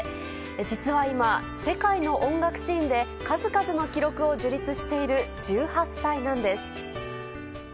実は今、世界の音楽シーンで数々の記録を樹立している１８歳なんです。